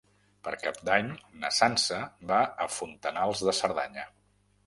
Per Cap d'Any na Sança va a Fontanals de Cerdanya.